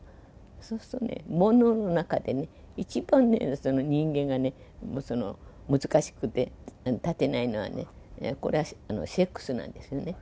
そうするとね、煩悩の中でね、一番人間が難しくて絶てないのはね、これはセックスなんですね。